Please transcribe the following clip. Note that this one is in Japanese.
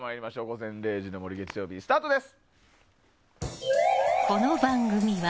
「午前０時の森」スタートです。